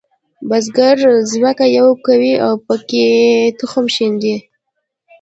بزګر ځمکه یوي کوي او پکې تخم شیندي.